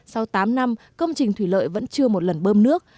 sau tám năm công trình thủy lợi vẫn chưa một lần bơm nước